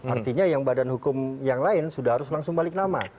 artinya yang badan hukum yang lain sudah harus langsung balik nama